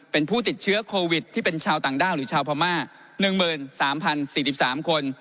เป็นผู้ติดเชื้อโควิดที่เป็นชาวต่างด้าวหรือชาวพม่า๑๓๐๔๓คน